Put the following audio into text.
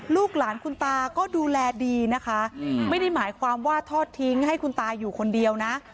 ลูกหลานคุณตาก็ดูแลดีนะคะไม่ได้หมายความว่าทอดทิ้งให้คุณตาอยู่คนเดียวนะ